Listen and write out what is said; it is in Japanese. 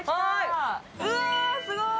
うわ、すごい！